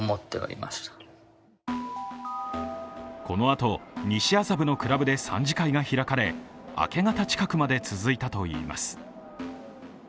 このあと西麻布のクラブで３次会が開かれ、明け方近くまで続いたといいます。